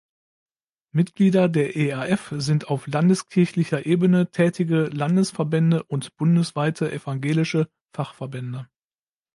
Mitglieder der eaf sind auf landeskirchlicher Ebene tätige Landesverbände und bundesweite evangelische Fachverbände.